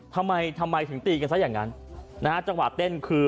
ทำไมทำไมถึงตีกันซะอย่างนั้นนะฮะจังหวะเต้นคือ